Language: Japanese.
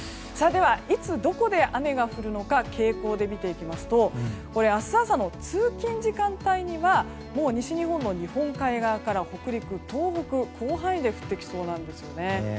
では、いつどこで雨が降るのか傾向で見ていきますと明日朝の通勤時間帯にはもう西日本の日本海側から北陸、東北、広範囲で降ってきそうなんです。